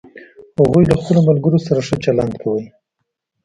هغوی له خپلوملګرو سره ښه چلند کوي